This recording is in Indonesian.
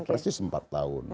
presis empat tahun